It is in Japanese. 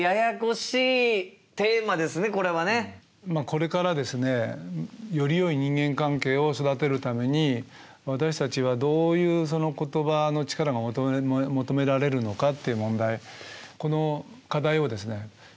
これからですねよりよい人間関係を育てるために私たちはどういう言葉の力が求められるのかっていう問題